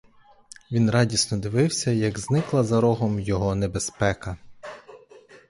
Він радісно дивився, як зникла за рогом його небезпека.